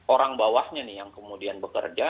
orang bawahnya nih yang kemudian bekerja